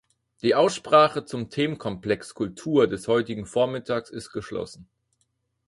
Die Aussprache zum Themenkomplex Kultur des heutigen Vormittags ist geschlossen.